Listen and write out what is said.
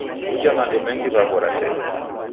W'uja mando mengi waghora tee.